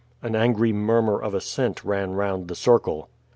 An angry murmur of assent ran round the circle.